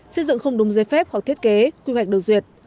xây dựng không đúng giấy phép hoặc thiết kế quy hoạch được duyệt